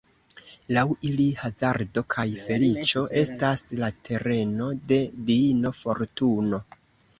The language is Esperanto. Laŭ ili hazardo kaj feliĉo estas la tereno de diino Fortuno.